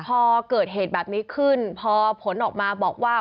พอเกิดเหตุแบบนี้ขึ้นพอผลออกมาบอกว่า